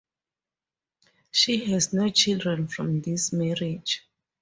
She has no children from this marriage.